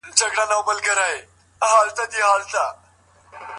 که ښوونکی درس روښانه تشریح کړي، زده کوونکي ګډوډ نه کېږي.